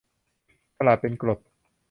ฉลาดเป็นกรด